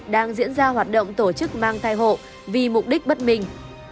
đang diễn ra hoạt động tổ chức mang thai hộ vì mục đích bất minh